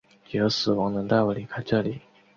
只有死亡能带我离开这里！